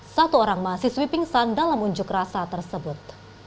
satu orang mahasiswi pingsan dalam unjuk rasa tersebut